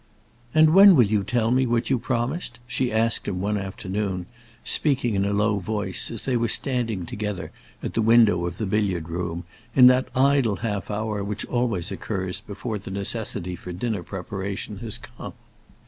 "And when will you tell me what you promised?" she asked him one afternoon, speaking in a low voice, as they were standing together at the window of the billiard room, in that idle half hour which always occurs before the necessity for dinner preparation has come.